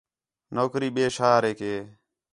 نوکری ٻئے شہریک ہِے